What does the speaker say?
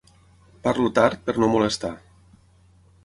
Parlo tard per no molestar.